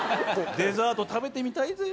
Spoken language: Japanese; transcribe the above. デザート食べてみたいぜぇ。